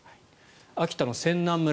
秋田の仙南村